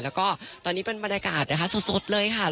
แล้วก็ตอนนี้เป็นบรรยากาศนะคะสดเลยค่ะ